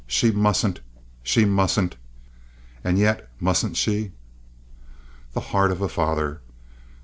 She mustn't! She mustn't! And yet mustn't she? The heart of a father!